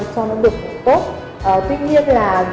cho nó được tốt tuy nhiên là